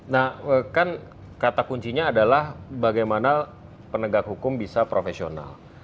nah kan kata kuncinya adalah bagaimana penegak hukum bisa profesional